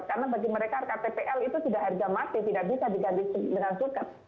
karena bagi mereka ktpl itu sudah harga mati tidak bisa diganti dengan suket